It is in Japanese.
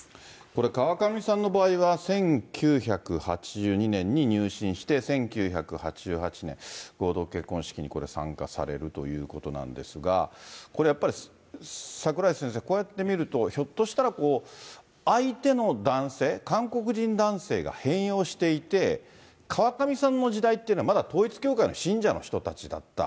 これ、川上さんの場合は１９８２年に入信して、１９８８年、合同結婚式に参加されるということなんですが、やっぱり、櫻井先生、こうやって見ると、ひょっとしたら、相手の男性、韓国人男性が変容していて、川上さんの時代というのは、まだ統一教会の信者の人たちだった。